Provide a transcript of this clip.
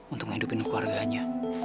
untuk ngidupin keluarganya